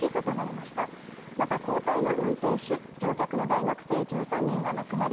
また、交代の運転手、乗客の大学生１３人が亡くなり、